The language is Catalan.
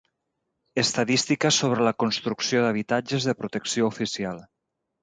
Estadística sobre la construcció d'habitatges de protecció oficial.